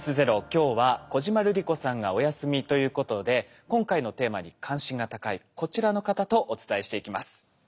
今日は小島瑠璃子さんがお休みということで今回のテーマに関心が高いこちらの方とお伝えしていきます。